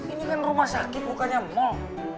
ini kan rumah sakit bukannya mall